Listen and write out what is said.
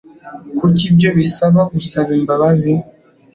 Kuki ibyo bisaba gusaba imbabazi?